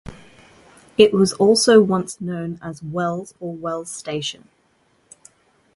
It was also once known as Wells or Wells Station.